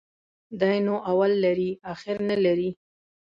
دى نو اول لري ، اخير نلري.